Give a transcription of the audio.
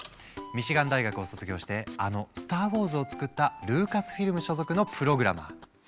ミシガン大学を卒業してあの「スター・ウォーズ」を作ったルーカスフィルム所属のプログラマー。